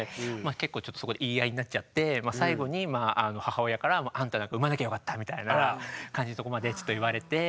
結構ちょっとそこで言い合いになっちゃって最後に母親からみたいな感じのとこまでちょっと言われて。